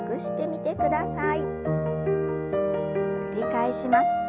繰り返します。